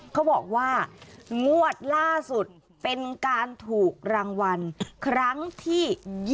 เขาบอกว่างวดล่าสุดเป็นการถูกรางวัลครั้งที่๒๐